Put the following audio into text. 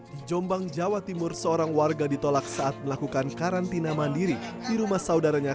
di jombang jawa timur seorang warga ditolak saat melakukan karantina mandiri di rumah saudaranya